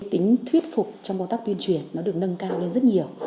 tính thuyết phục trong công tác tuyên truyền nó được nâng cao lên rất nhiều